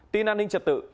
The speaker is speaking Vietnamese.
tin an ninh trật tự